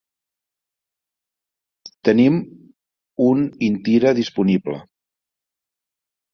Tenim un Intira disponible.